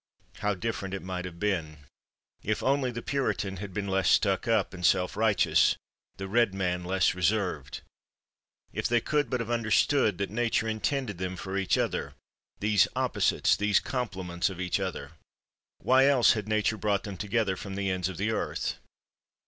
How different it might have been! If only the Puritan had been less stuck up and self righteous, the Red Man less reserved! If they could but have understood that Nature intended them for each other, these opposites, these complements of each other. Why else had Nature brought them together from the ends of the earth?